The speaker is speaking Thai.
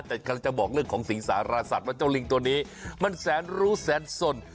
แต่กำลังจะบอกเรื่องของสิงสารสัตว์ว่าเจ้าลิงตัวนี้มันแสนรู้แสนสน